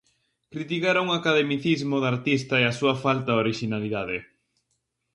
Criticaron o academicismo do artista e a súa falta de orixinalidade.